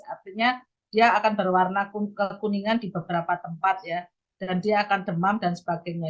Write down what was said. artinya dia akan berwarna kekuningan di beberapa tempat ya dan dia akan demam dan sebagainya